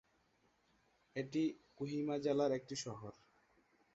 এটি কোহিমা জেলার একটি শহর।